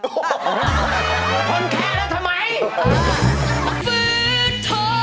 คนแค้แล้วทำไม